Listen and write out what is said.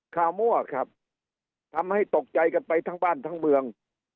มั่วครับทำให้ตกใจกันไปทั้งบ้านทั้งเมือง